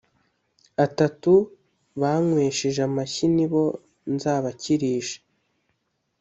Atatu banywesheje amashyi ni bo nzabakirisha